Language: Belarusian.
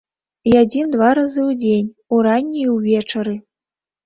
Ядзім два разы ў дзень, уранні і ўвечары.